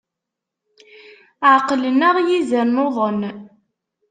Ɛeqlen-aɣ yizan, nuḍen.